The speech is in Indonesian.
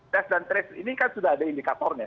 test dan trace ini kan sudah ada indikatornya